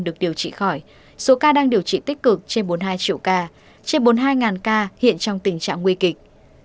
số ca đang điều trị tích cực trên bốn mươi hai triệu ca trên bốn mươi hai ca hiện trong tình trạng nguy kịch